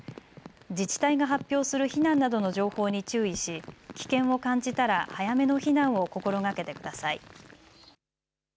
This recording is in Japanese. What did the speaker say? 自治体が発表する避難などの情報に注意し、危険を感じたら早めの避難を心がけてください。